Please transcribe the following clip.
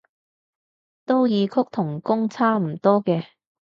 都異曲同工差唔多嘅